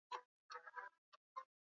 ambalo liliwahi kutabiriwa na marehemu ba